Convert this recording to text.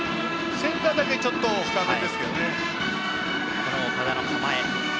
センターだけちょっと深めですね。